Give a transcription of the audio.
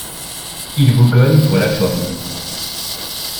Il bougonne pour la forme.